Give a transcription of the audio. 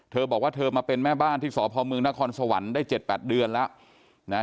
เธอบอกว่าเธอมาเป็นแม่บ้านที่สพเมืองนครสวรรค์ได้๗๘เดือนแล้วนะฮะ